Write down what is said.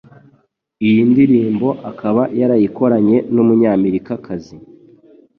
Iyi ndirimbo akaba yarayikoranye n'Umunyamerikakazi